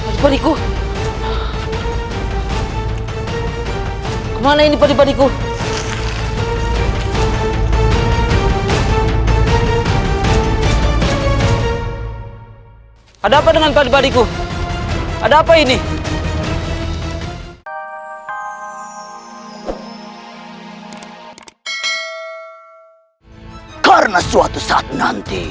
sampai jumpa di video selanjutnya